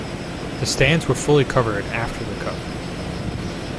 The stands were fully covered after the cup.